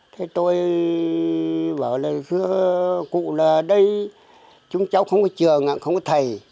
thế tôi bảo là xưa cụ là đây chúng cháu không có trường ạ không có thầy